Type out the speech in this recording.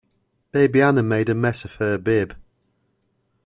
Baby Hannah made a mess of her bib.